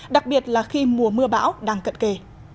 đặc biệt là khi mùa mưa bão đang cận kề